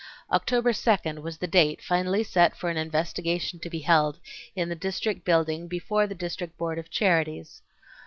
October 2nd was the date finally set for an investigation to be held in the District Building before the District Board of Charities.